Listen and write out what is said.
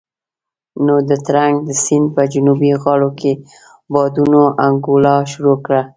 نو د ترنک د سيند په جنوبي غاړو کې بادونو انګولا شروع کړه.